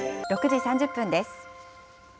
６時３０分です。